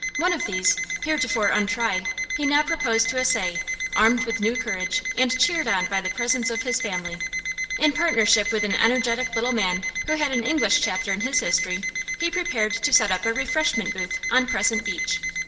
One of these, heretofore untried, he now proposed to essay, armed with new courage, and cheered on by the presence of his family. In partnership with an energetic little man who had an English chapter in his history, he prepared to set up a refreshment booth on Crescent Beach.